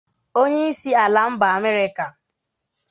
Onye isi ala mba Amerịka